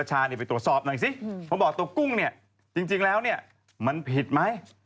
ไปตรวจสอบหน่อยสิเพราะบอกตัวกุ้งเนี่ยจริงแล้วเนี่ยมันผิดไหม